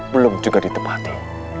belum juga ditepati